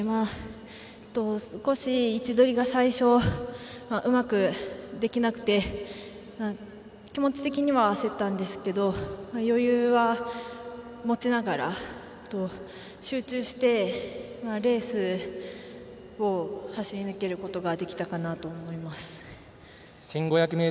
少し位置取りが最初、うまくできなくて気持ち的には焦ったんですけど余裕は持ちながら集中してレースを走り抜けることができたかなと思います。